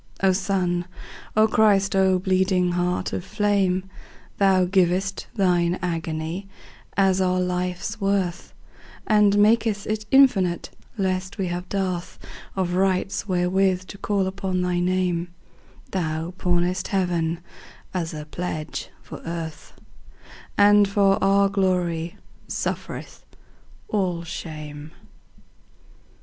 O Sun, O Christ, O bleeding Heart of flame! Thou giv'st Thine agony as our life's worth, And mak'st it infinite, lest we have dearthOf rights wherewith to call upon thy Name; Thou pawnest Heaven as a pledge for Earth, And for our glory sufferest all shame.